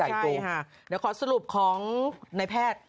เดี๋ยวขอสรุปของนายแพทย์